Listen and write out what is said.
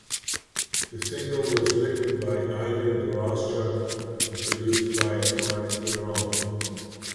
The single was written by Ivan Doroschuk and produced by Marc Durand.